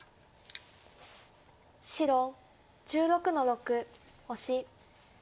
白１６の六オシ。